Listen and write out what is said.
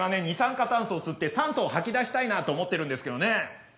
二酸化炭素を吸って酸素を吐き出したいなと思ってるんですけどね。